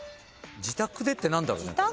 「自宅で」って何だろうね？